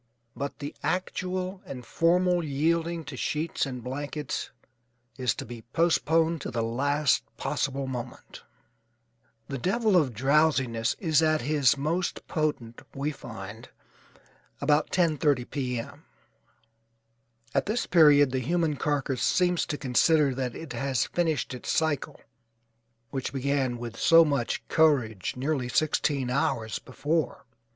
But the actual and formal yielding to sheets and blankets is to be postponed to the last possible moment. The devil of drowsiness is at his most potent, we find, about 10:30 P. M. At this period the human carcass seems to consider that it has finished its cycle, which began with so much courage nearly sixteen hours before.